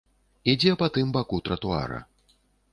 Ідзе па тым баку тратуара.